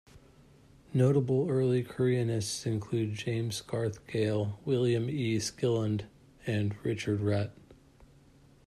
Notable early Koreanists include James Scarth Gale, William E. Skillend and Richard Rutt.